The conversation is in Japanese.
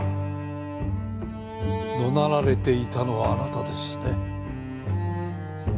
怒鳴られていたのはあなたですね？